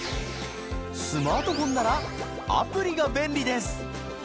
スマートフォンならアプリが便利です！